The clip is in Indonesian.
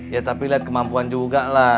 ya tapi liat kemampuan juga